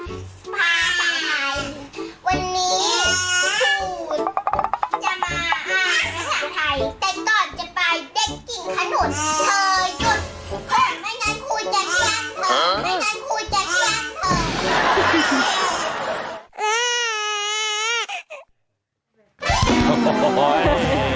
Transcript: แต่ก่อนจะไปเด็กที่คนุดเผยุนแม่งนั้นผู้จะเรียกทัน